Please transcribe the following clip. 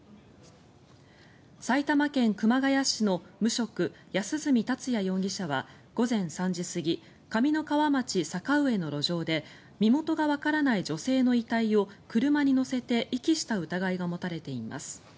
埼玉県熊谷市の無職・安栖達也容疑者は午前３時過ぎ上三川町坂上の路上で身元がわからない女性の遺体を車に乗せて遺棄した疑いが持たれています。